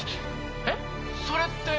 えっ？それって。